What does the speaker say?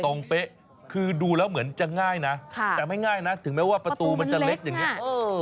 เป๊ะคือดูแล้วเหมือนจะง่ายนะแต่ไม่ง่ายนะถึงแม้ว่าประตูมันจะเล็กอย่างนี้